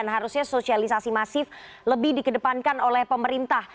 harusnya sosialisasi masif lebih dikedepankan oleh pemerintah